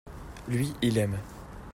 Lui, il aime.